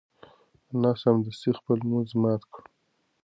انا سمدستي خپل لمونځ مات کړ.